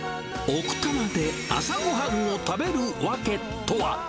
奥多摩で朝ごはんを食べる訳とは。